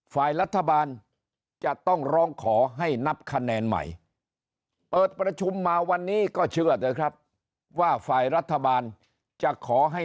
ฝ่ายรัฐบาลจะต้องร้องขอให้นับคะแนนใหม่เปิดประชุมมาวันนี้ก็เชื่อเถอะครับว่าฝ่ายรัฐบาลจะขอให้